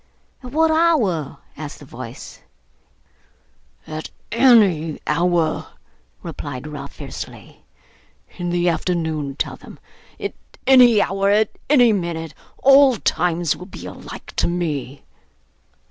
'At what hour?' asked the voice. 'At any hour,' replied Ralph fiercely. 'In the afternoon, tell them. At any hour, at any minute. All times will be alike to me.